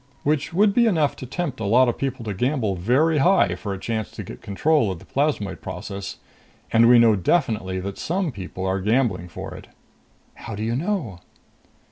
Which would be enough to tempt a lot of people to gamble very high for a chance to get control of the plasmoid process and we know definitely that some people are gambling for it." "How do you know?"